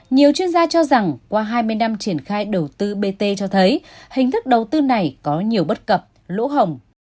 nhiều chuyên gia cho rằng qua hai mươi năm triển khai đầu tư bt cho thấy hình thức đầu tư này có nhiều bất cập lỗ hồng